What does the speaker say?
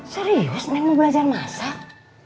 serius neng mau belajar masak